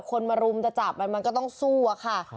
คนมารุมจะจับมันมันก็ต้องสู้อะค่ะ